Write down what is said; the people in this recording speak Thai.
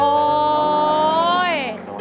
โอ๊ย